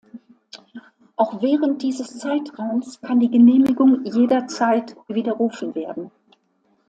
Auch während dieses Zeitraums kann die Genehmigung jederzeit widerrufen werden.